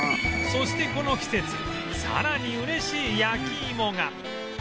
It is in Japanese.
そしてこの季節さらに嬉しい焼き芋が